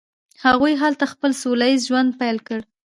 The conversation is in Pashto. هغوی هلته خپل سوله ایز ژوند پیل کړ.